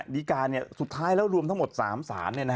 ดีการ์สุดท้ายเรารวมทั้งหมด๓ศาล